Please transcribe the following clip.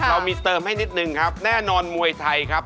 เรามีเติมให้นิดนึงครับแน่นอนมวยไทยครับ